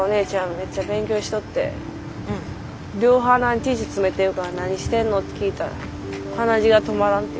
めっちゃ勉強しとって両鼻にティッシュ詰めてるから「何してんの？」って聞いたら「鼻血が止まらん」って。